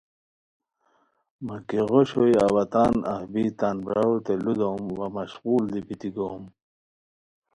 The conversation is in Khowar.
مہ کی غوش ہوئے اوا تان اف بی تان براروتین لُو دوم، وا مشقول دی بیتی گوم